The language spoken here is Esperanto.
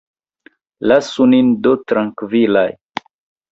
Lasu nin do trankvilaj.